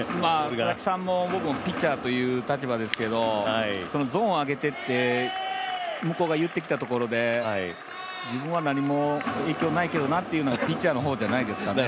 佐々木さんも僕もピッチャーという立場ですけどゾーンを上げてって向こうが言ってきたところで、自分は何も影響ないけどなっていうのはピッチャーの方じゃないですかね。